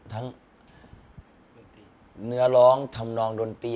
ทั้งเนื้อร้องทำนองดนตรี